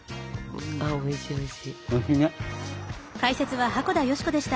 おいしいおいしい。